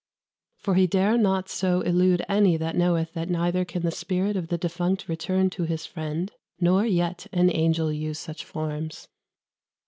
For he dare not so illude anie that knoweth that neither can the spirit of the defunct returne to his friend, nor yet an angell use such formes."